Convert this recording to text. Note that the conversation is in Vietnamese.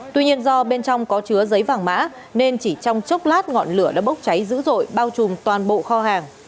tuy nhiên do bên trong có chứa giấy vàng mã nên chỉ trong chốc lát ngọn lửa đã bốc cháy dữ dội bao trùm toàn bộ kho hàng